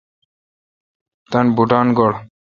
تان بوٹان گوڑ۔